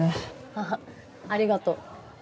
あっありがとう。